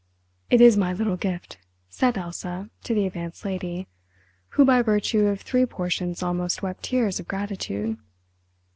"It is my little gift," said Elsa to the Advanced Lady, who by virtue of three portions almost wept tears of gratitude.